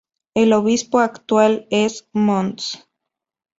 El obispo actual es Mons.